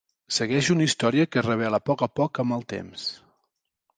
Segueix una història que es revela a poc a poc amb el temps.